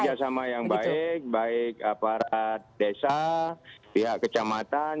kerjasama yang baik baik aparat desa pihak kecamatan